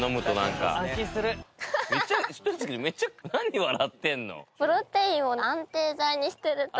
何笑ってんの？